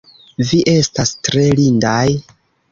Vi estas tre lindaj!